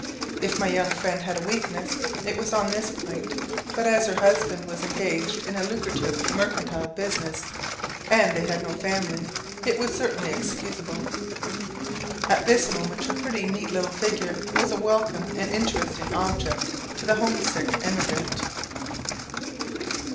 If my young friend had a weakness, it was on this point; but as her husband was engaged in a lucrative mercantile business, and they had no family, it was certainly excusable. At this moment her pretty neat little figure was a welcome and interesting object to the home sick emigrant.